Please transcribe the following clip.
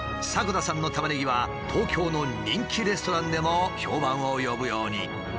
迫田さんのタマネギは東京の人気レストランでも評判を呼ぶように。